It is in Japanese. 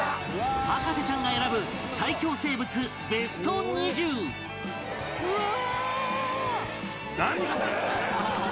博士ちゃんが選ぶ最恐生物ベスト２０うわ！